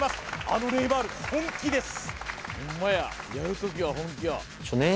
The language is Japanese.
あのネイマール本気です